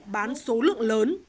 bán số lượng lớn